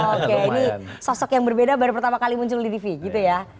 oke ini sosok yang berbeda baru pertama kali muncul di tv gitu ya